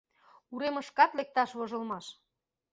Уремышкат лекташ вожылмаш!..